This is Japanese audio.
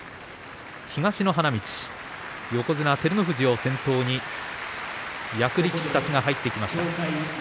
東の花道に横綱照ノ富士を先頭に役力士たちが入ってきました。